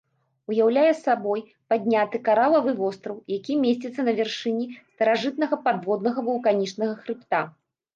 Уяўляе сабою падняты каралавы востраў, які месціцца на вяршыні старажытнага падводнага вулканічнага хрыбта.